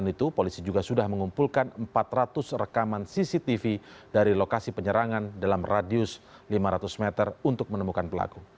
selain itu polisi juga sudah mengumpulkan empat ratus rekaman cctv dari lokasi penyerangan dalam radius lima ratus meter untuk menemukan pelaku